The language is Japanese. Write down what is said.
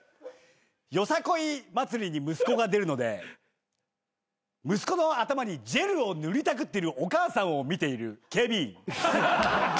よさこい祭りに息子が出るので息子の頭にジェルを塗りたくってるお母さんを見ている警備員。